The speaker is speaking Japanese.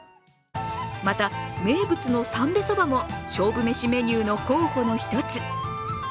また、名物の三瓶そばも勝負めしメニューの候補の一つ。